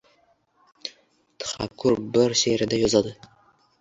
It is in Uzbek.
Txakur bir she’rida yozadi: